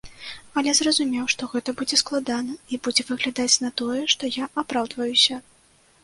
Але зразумеў, што гэта будзе складана і будзе выглядаць на тое, што я апраўдваюся.